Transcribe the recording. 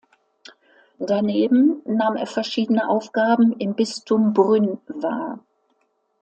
Daneben nahm er verschiedene Aufgaben im Bistum Brünn wahr.